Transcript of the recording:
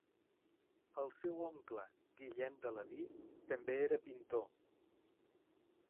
El seu oncle, Guillem de Leví, també era pintor.